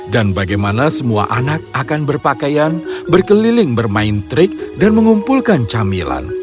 dan bagaimana semua anak akan berpakaian berkeliling bermain trik dan mengumpulkan camilan